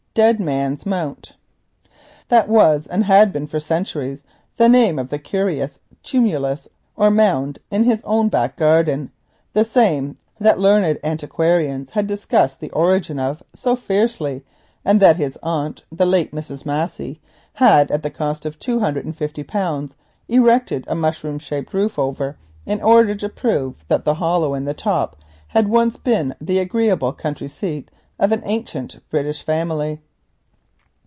"Dead Man's Mount." That was and had been for centuries the name of the curious tumulus or mound in his own back garden. It was this mount that learned antiquarians had discussed the origin of so fiercely, and which his aunt, the late Mrs. Massey, had roofed at the cost of two hundred and fifty pounds, in order to prove that the hollow in the top had once been the agreeable country seat of an ancient British family.